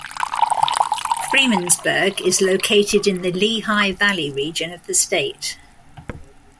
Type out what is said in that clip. Freemansburg is located in the Lehigh Valley region of the state.